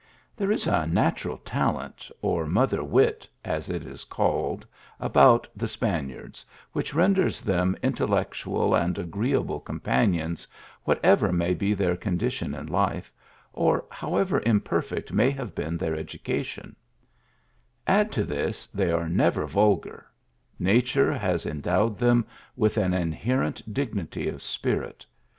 There is a natural talent, or mother wit, as it is called, about the Spaniards, which renders them intellectual and agreeable companions, whatever may be their con dition in life, or however imperfect may have been their education ; add to this, they are never vulgar nature has endowed them with an inherent dignity of spirit.